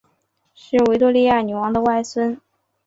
是维多利亚女王的外孙。